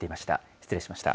失礼しました。